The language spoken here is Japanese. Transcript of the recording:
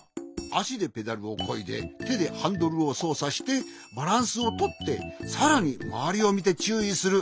あしでペダルをこいでてでハンドルをそうさしてバランスをとってさらにまわりをみてちゅういする。